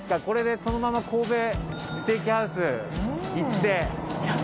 これでそのまま神戸ステーキハウス行って。